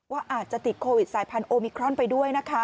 ว่าอาจจะติดคโอมิครอนไปด้วย